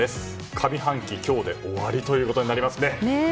上半期、今日で終わりということになりますね。